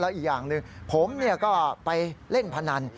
อีกอย่างหนึ่งผมก็ไปเล่นพนัน